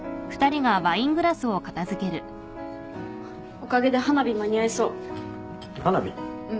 おかげで花火間に合いそう。